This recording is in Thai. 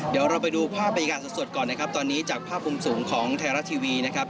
เดี๋ยวเราไปดูภาพบรรยากาศสดก่อนนะครับตอนนี้จากภาพมุมสูงของไทยรัฐทีวีนะครับ